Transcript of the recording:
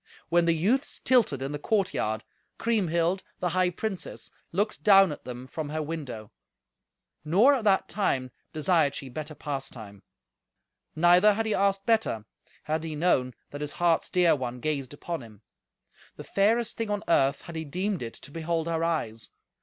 When the youths tilted in the courtyard, Kriemhild, the high princess, looked down at them from her window; nor, at that time, desired she better pastime. Neither had he asked better, had he known that his heart's dear one gazed upon him: the fairest thing on earth had he deemed it to behold her eyes.